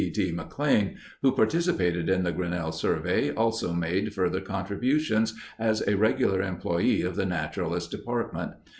D. D. McLean, who participated in the Grinnell Survey, also made further contributions as a regular employee of the Naturalist Department.